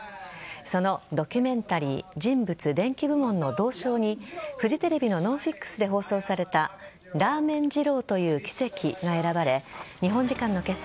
そのドキュメンタリー・人物／伝記部門の銅賞にフジテレビの「ＮＯＮＦＩＸ」で放送された「ラーメン二郎という奇跡」が選ばれ日本時間の今朝